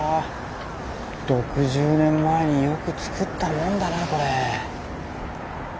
６０年前によくつくったもんだなこれ。